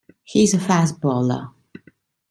He is a fast bowler.